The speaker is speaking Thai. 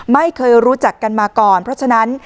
ไม่เคยรู้จักกันมาก่อนเพราะฉะนั้น